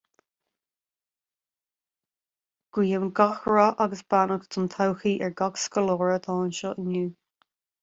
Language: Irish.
Guím gach rath agus beannacht don todhchaí ar gach scoláire atá anseo inniu.